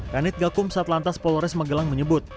kanit gakum satlantas polres magelang menyebut